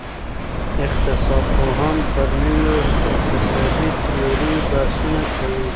اقتصاد پوهان پر نویو اقتصادي تیوریو بحثونه کوي.